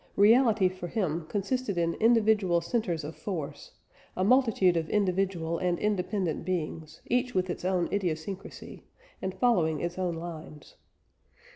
Reality for him consisted in individual centres of force a multitude of individual and independent beings, each with its own idiosyncrasy, and following its own lines.